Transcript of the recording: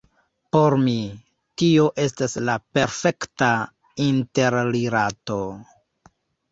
Por mi, tio estas la perfekta interrilato.